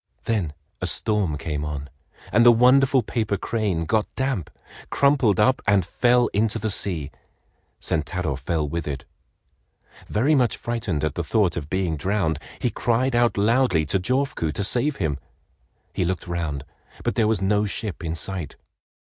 Then a storm came on, and the wonderful paper crane got damp, crumpled up, and fell into the sea. Sentaro fell with it. Very much frightened at the thought of being drowned, he cried out loudly to Jofuku to save him. He looked round, but there was no ship in sight.